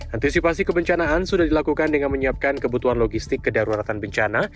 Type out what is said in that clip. antisipasi kebencanaan sudah dilakukan dengan menyiapkan kebutuhan logistik kedaruratan bencana